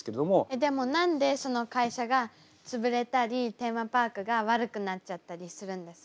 えっでも何でその会社がつぶれたりテーマパークが悪くなっちゃったりするんですか？